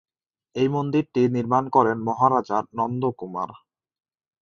এই মন্দিরটি নির্মাণ করেন মহারাজা নন্দকুমার।